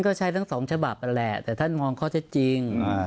ก็ใช้ทั้งสองฉบับนั่นแหละแต่ท่านมองข้อเท็จจริง